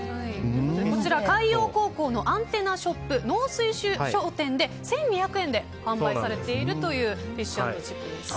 こちらは海洋高校のアンテナショップ、能水商店で１２００円で販売されているフィッシュ＆チップスです。